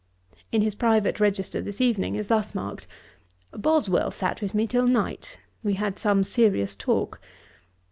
In his private register this evening is thus marked, 'Boswell sat with me till night; we had some serious talk.'